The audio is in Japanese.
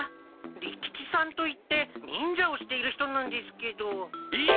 利吉さんといって忍者をしている人なんですけど。えっ！？